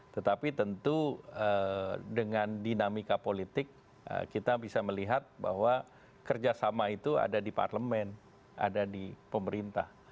tetapi tentu dengan dinamika politik kita bisa melihat bahwa kerjasama itu ada di parlemen ada di pemerintah